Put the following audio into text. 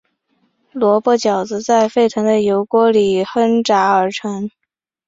萝卜饺子在沸腾的油锅里烹炸而成。